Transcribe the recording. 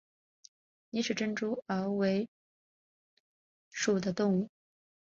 拟珍齿螯蛛为球蛛科齿螯蛛属的动物。